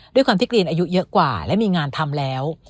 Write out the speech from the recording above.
ด้วยความที่กรีนอายุเยอะกว่าและมีงานทำแล้ว